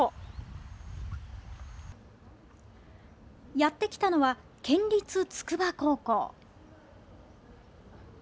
やってきたのは、県立筑波高校。